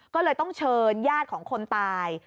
ก็เลยต้องเชิญญาติของคนตาย